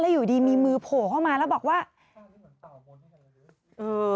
อยู่ดีมีมือโผล่เข้ามาแล้วบอกว่าเออ